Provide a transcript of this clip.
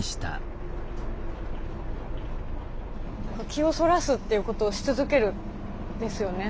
気をそらすっていうことをし続けるんですよね